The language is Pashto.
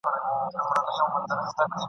تاسو کولای سئ چي په خپله سیمه کي بدلون راولئ.